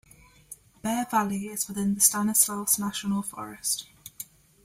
Bear Valley is within the Stanislaus National Forest.